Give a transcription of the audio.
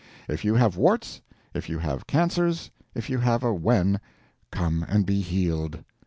If you have warts, if you have cancers, if you have a wen, come and be healed!